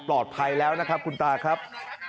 ปลอดภัยแล้วนะครับคุณตาครับ